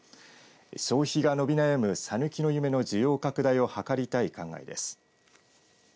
消費が伸び悩む、さぬきの夢の需要拡大を図りたい考えです。